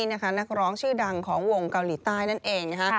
นักร้องชื่อดังของวงเกาหลีใต้นั่นเองนะคะ